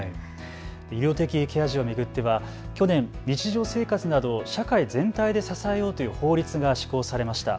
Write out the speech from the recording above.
医療的ケア児を巡っては去年、日常生活などを社会全体で支えようという法律が施行されました。